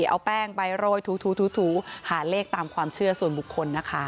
เอาแป้งไปโรยถูหาเลขตามความเชื่อส่วนบุคคลนะคะ